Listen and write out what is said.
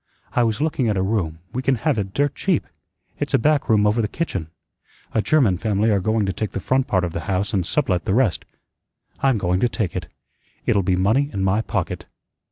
I was looking at a room; we can have it dirt cheap. It's a back room over the kitchen. A German family are going to take the front part of the house and sublet the rest. I'm going to take it. It'll be money in my pocket."